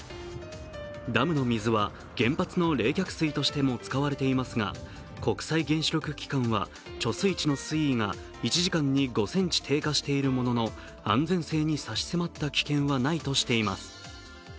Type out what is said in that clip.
ダムの水は原発の冷却水としても使われていますが、国際原子力機関は貯水池の水位が１時間に５ｃｍ低下しているものの安全性に差し迫った危険はないとしています。